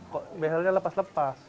kok biasanya lepas lepas